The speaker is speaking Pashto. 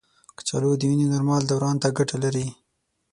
کچالو د وینې نورمال دوران ته ګټه لري.